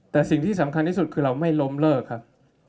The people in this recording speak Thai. แต่สิ่งที่สำคัญที่สุดคือเราไม่ล้มเลิกครับ